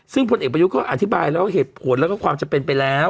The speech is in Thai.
ซึ่งพลเอกประยุทธ์ก็อธิบายแล้วเหตุผลแล้วก็ความจะเป็นไปแล้ว